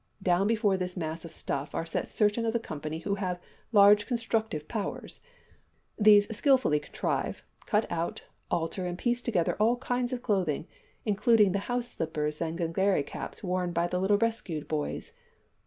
Down before this mass of stuff are set certain of the company who have large constructive powers. These skilfully contrive, cut out, alter, and piece together all kinds of clothing, including the house slippers and Glengarry caps worn by the little rescued boys.